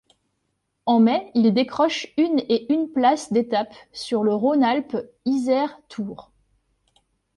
En mai, il décroche une et une place d'étape sur le Rhône-Alpes Isère Tour.